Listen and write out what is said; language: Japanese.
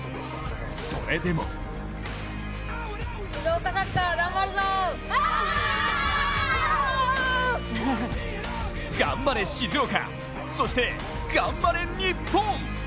それでも頑張れ静岡、そして頑張れニッポン！